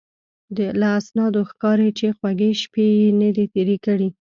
له اسنادو ښکاري چې خوږې شپې یې نه دي تېرې کړې.